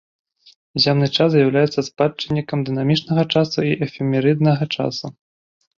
Зямны час з'яўляецца спадчыннікам дынамічнага часу і эфемерыднага часу.